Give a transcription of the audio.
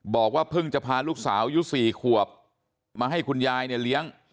บอกว่าเพิ่งจะพาลูกสาวอายุ๔ขวบมาให้คุณยายเนี่ยเลี้ยง